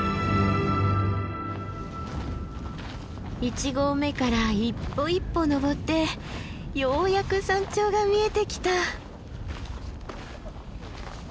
一合目から一歩一歩登ってようやく山頂が見えてきた。